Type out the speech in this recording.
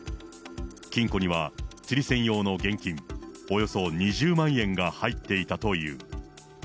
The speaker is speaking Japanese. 金庫には釣り銭用の現金およそ２０万円が入っていたという。